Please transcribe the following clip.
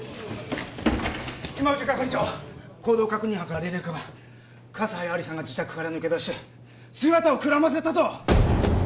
今藤係長行動確認班から連絡が葛西亜理紗が自宅から抜け出し姿をくらませたと！